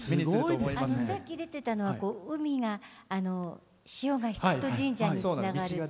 さっき出てたのは海が潮が引くと神社につながる。